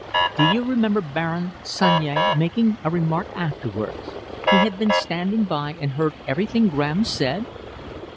"Do you remember Baron Sunyea making a remark afterwards? He had been standing by and heard everything Graham said."